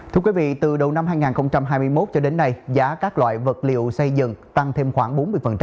từ đầu năm hai nghìn hai mươi một cho đến nay giá các loại vật liệu xây dựng tăng thêm khoảng bốn mươi